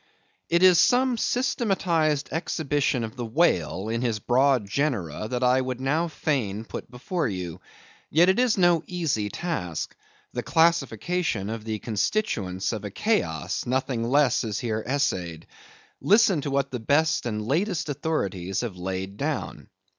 It is some systematized exhibition of the whale in his broad genera, that I would now fain put before you. Yet is it no easy task. The classification of the constituents of a chaos, nothing less is here essayed. Listen to what the best and latest authorities have laid down.